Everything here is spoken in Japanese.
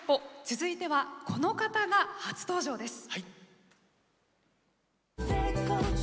続いては、この方が初登場です。